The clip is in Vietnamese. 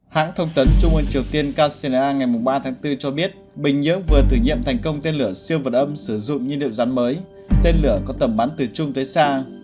hãng thông tấn trung ương triều tiên kcna ngày ba tháng bốn cho biết bình nhưỡng vừa thử nghiệm thành công tên lửa siêu vật âm sử dụng nhiên liệu rắn mới tên lửa có tầm bắn từ chung tới xa